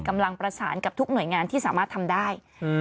กำลังประสานกับทุกหน่วยงานที่สามารถทำได้